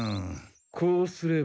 こうすれば。